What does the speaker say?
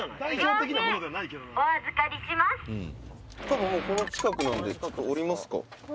「多分この近くなんでちょっと降りますか」